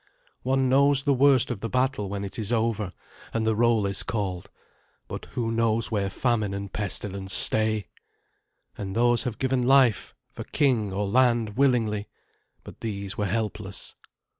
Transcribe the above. One knows the worst of the battle when it is over and the roll is called, but who knows where famine and pestilence stay? And those have given life for king or land willingly, but these were helpless.